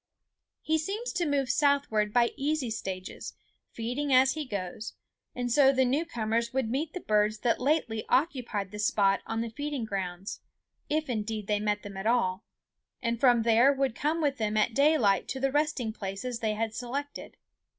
He seems to move southward by easy stages, feeding as he goes; and so the new comers would meet the birds that lately occupied the spot on the feeding grounds, if indeed they met them at all, and from there would come with them at daylight to the resting places they had selected.